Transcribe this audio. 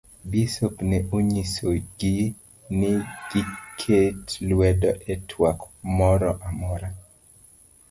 Bisop ne onyiso gi ni giket lwedo e twak moro amora.